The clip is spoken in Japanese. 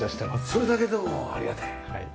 それだけでもありがたい。